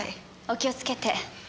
お気をつけて。